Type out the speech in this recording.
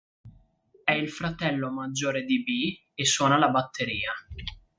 È il fratello maggiore di B e suona la batteria.